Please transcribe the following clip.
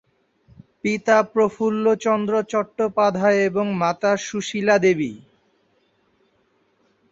পিতা প্রফুল্লচন্দ্র চট্টোপাধ্যায় এবং মাতা সুশীলা দেবী।